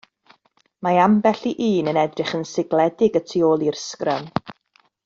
Mae ambell i un yn edrych yn sigledig y tu ôl i'r sgrym.